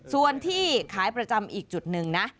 ส่วนที่ขายประจำอีกจุดหนึ่งนะ